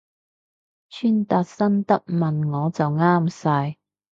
穿搭心得問我就啱晒